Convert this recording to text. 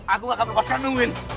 aku gak akan lepaskan lo win